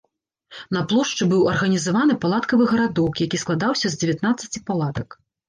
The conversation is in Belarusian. На плошчы быў арганізаваны палаткавы гарадок, які складаўся з дзевятнаццаці палатак.